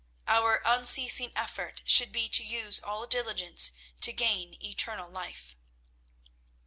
Our unceasing effort should be to use all diligence to gain eternal life."